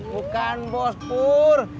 bukan bos pur